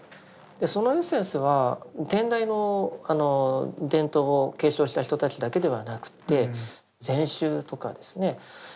そのエッセンスは天台の伝統を継承した人たちだけではなくて禅宗とかですね